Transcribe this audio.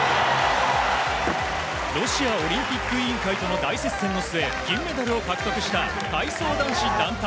ロシアオリンピック委員会との大接戦の末銀メダルを勝ち取った体操男子日本。